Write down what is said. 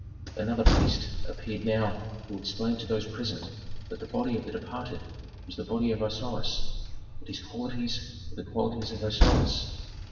Another priest appeared now who explained to those present that the body of the departed was the body of Osiris, that his qualities were the qualities of Osiris.